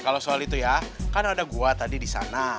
kalau soal itu ya kan ada gua tadi di sana